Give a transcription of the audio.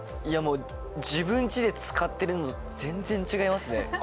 自分ちで使ってるのと全然違いますね。